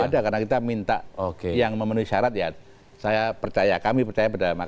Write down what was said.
ada karena kita minta yang memenuhi syarat ya saya percaya kami percaya pada mahkamah